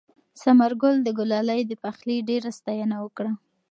ثمرګل د ګلالۍ د پخلي ډېره ستاینه وکړه.